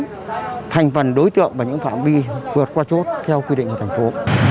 những thành phần đối tượng và những phạm vi vượt qua chốt theo quy định của thành phố